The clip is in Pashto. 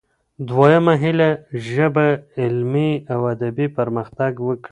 دويمه هيله: ژبه علمي او ادبي پرمختګ وکړي.